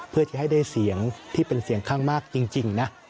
เพื่อจะให้ได้เสียงที่เป็นเสียงข้างมากจริงนะ